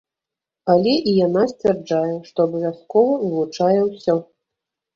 Але і яна сцвярджае, што абавязкова вывучае ўсё.